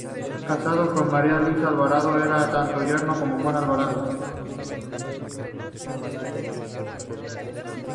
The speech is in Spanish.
Casado María Luisa Alvarado, era por tanto yerno de Juan Alvarado.